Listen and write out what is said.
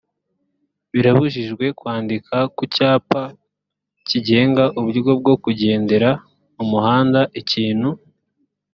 birabujijwe kwandika ku cyapa kigenga uburyo bwo kugendera mu muhanda ikintu